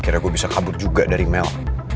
akhirnya gue bisa kabur juga dari mel